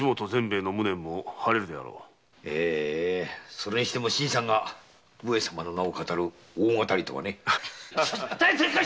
それにしても新さんが上様の名を騙る大騙りとはね。大変でえ頭！